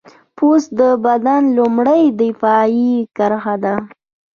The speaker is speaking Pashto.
پوست د بدن لومړنۍ دفاعي کرښه ده.